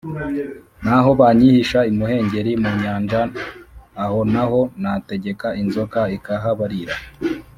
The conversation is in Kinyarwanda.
naho banyihisha imuhengeri mu nyanja, aho na ho nategeka inzoka ikahabarira.